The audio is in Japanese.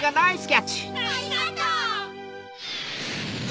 ありがとう！えい！